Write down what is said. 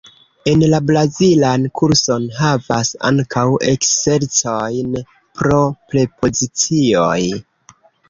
En la brazilan kurson havas ankaŭ eksercojn pro prepozicioj.